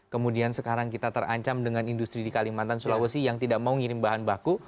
kemudian sekarang kita terancam dengan industri di kalimantan sulawesi yang tidak mau ngirim bahan baku